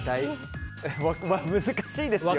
難しいですよね。